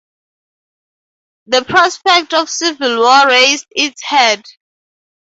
The prospect of civil war raised its head.